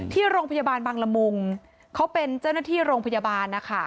ที่โรงพยาบาลบังละมุงเขาเป็นเจ้าหน้าที่โรงพยาบาลนะคะ